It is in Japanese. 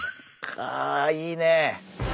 かあいいね。